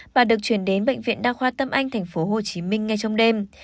bà được chuyển đến bệnh viện đa khoa tâm anh tp hcm ngay trong đêm